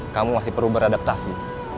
kamu masih perlu beradaptasi